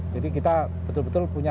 jadi kita betul betul punya